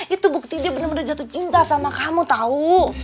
itu bukti dia bener bener jatuh cinta sama kamu tau